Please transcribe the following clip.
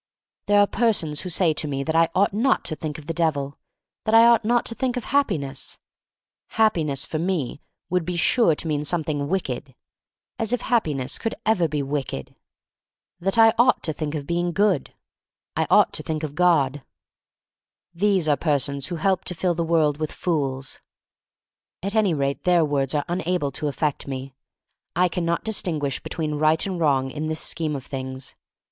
There are persons who say to me that I ought not to think of the Devil, • that I ought not to think of Happi ness — Happiness for me would be sure to mean something wicked (as if Hap piness could ever be wicked!); that I ought to think of being good. I ought to think of God. These are persons 46 THE STORY OF MARY MAC LANE who help to fill the world with fools. At any rate their words are unable to affect me. I can not distinguish be tween right and wrong in this scheme of things.